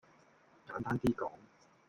簡單啲講